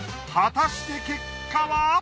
果たして結果は？